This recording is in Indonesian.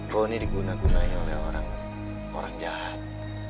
kau ini diguna gunainya oleh orang jahat